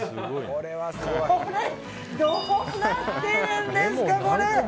これ、どうなってるんですか。